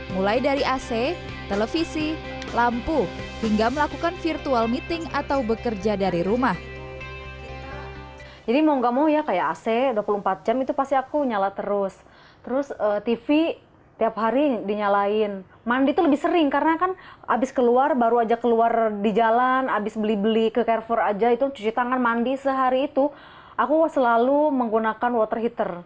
mulai dari ac televisi lampu hingga melakukan virtual meeting atau bekerja dari rumah